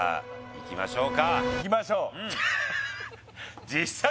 「いきましょう」